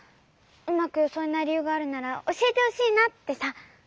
うまくよそえないりゆうがあるならおしえてほしいなってさ。